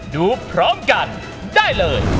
ดูพร้อมกันได้เลย